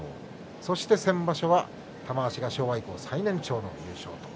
そして先場所は玉鷲が昭和以降最年長の優勝。